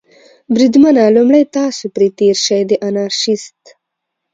بریدمنه، لومړی تاسې پرې تېر شئ، د انارشیست.